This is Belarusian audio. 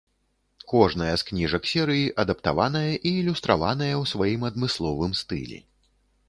Кожная з кніжак серыі адаптаваная і ілюстраваная ў сваім адмысловым стылі.